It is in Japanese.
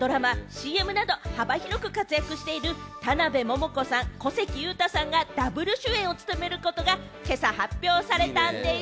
映画やドラマ、ＣＭなど幅広く活躍している田辺桃子さん、小関裕太さんがダブル主演を務めることが今朝発表されたんでぃす。